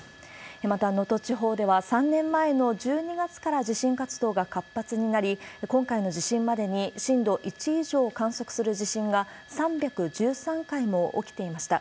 また、能登地方では３年前の１２月から地震活動が活発になり、今回の地震までに、震度１以上を観測する地震が３１３回も起きていました。